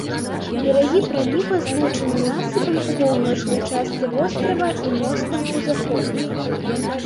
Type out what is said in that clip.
Берагі праліва злучаны насыпам у паўночнай частцы вострава і мостам у заходняй.